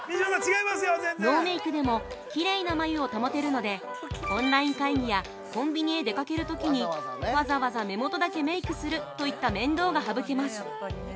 ◆ノーメイクでもきれいな眉を保てるのでオンライン会議やコンビニへ出かけるときにわざわざ目元だけメイクするといった面倒が省けます。